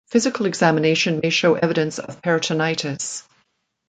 Physical examination may show evidence of peritonitis.